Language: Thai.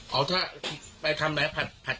เอาถ้าไปทำอะไรผัดกินว่าครับ